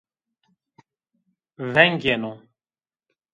Veng yeno.